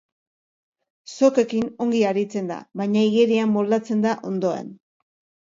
Sokekin ongi aritzen da, baina igerian moldatzen da ondoen.